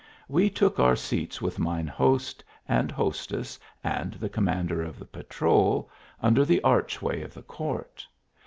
We took our seats with mine host and hostess and the commander of the patrol, under the archway of the court.